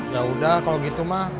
ya udah kalau gitu mah